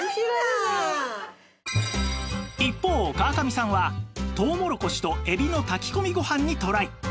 一方川上さんはとうもろこしと海老の炊き込みご飯にトライ